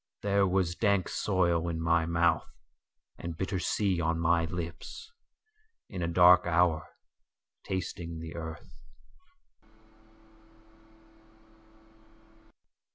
…There was dank soil in my mouth, And bitter sea on my lips, In a dark hour, tasting the Earth.